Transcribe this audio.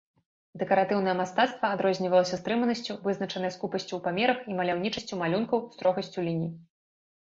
Дэкаратыўнае мастацтва адрознівалася стрыманасцю, вызначанай скупасцю ў памерах і маляўнічасцю малюнкаў, строгасцю ліній.